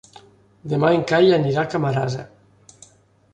Demà en Cai anirà a Camarasa.